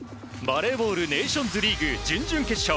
バレーボールネーションズリーグ準々決勝。